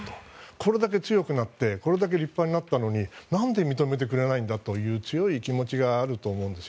これだけ強くなって立派になったのに何で認めてくれないんだという強い気持ちがあると思うんです。